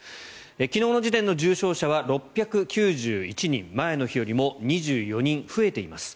昨日の時点の重症者は６９１人前の日よりも２４人増えています。